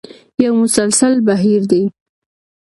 یو مسلسل بهیر دی.